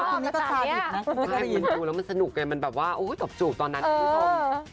คุณนี่ก็ชาดอีกนะคุณก็ได้ยินดูแล้วมันสนุกเลยมันแบบว่าโอ๊ยตบจุบตอนนั้นอุ๊ยชอบ